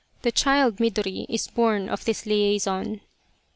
The child, Midori, is born of this liaison.